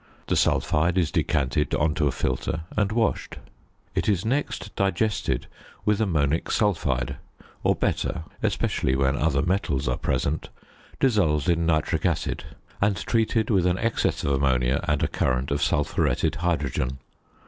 The sulphide is decanted on to a filter and washed. It is next digested with ammonic sulphide; or, better (especially when other metals are present), dissolved in nitric acid, and treated with an excess of ammonia and a current of sulphuretted hydrogen.